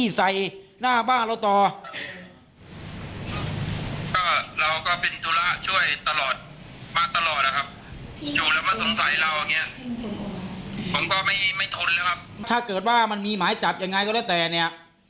ให้เราอย่างเงี้ยผมก็ไม่ไม่ทนแล้วครับถ้าเกิดว่ามันมีหมายจับยังไงก็แล้วแต่เนี้ย